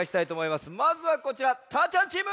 まずはこちらたーちゃんチーム！